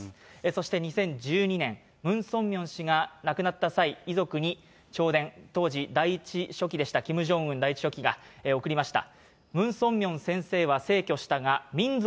そして２０１２年、ムン・ソンミョン氏が亡くなった際、遺族に弔電、当時、第一書記でした、キム・ジョンウン第一書記が送りました。